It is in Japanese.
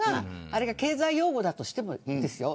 あれが経済用語だとしてもですよ